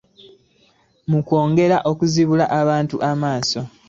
Mu kwongera okuzibula abantu amaaso.